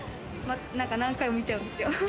何回も見ちゃうんですよ。